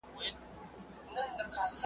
زه واټساپ ته داخل شوم.